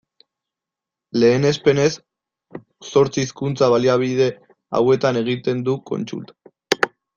Lehenespenez, zortzi hizkuntza-baliabide hauetan egiten du kontsulta.